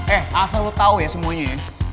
eh asal lo tau ya semuanya ya